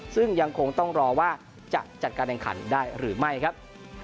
ซึ่งยังคงต้องรอว่าจะจัดการแข่งขันได้หรือไม่ครับ